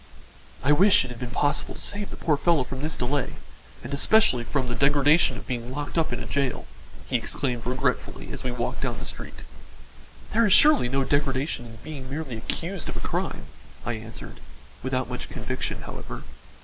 "I wish it had been possible to save the poor fellow from this delay, and especially from the degradation of being locked up in a jail," he exclaimed regretfully as we walked down the street. "There is surely no degradation in being merely accused of a crime," I answered, without much conviction, however.